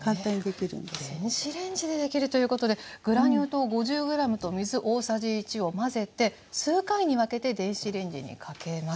電子レンジでできるということでグラニュー糖５０ｇと水大さじ１を混ぜて数回に分けて電子レンジにかけます。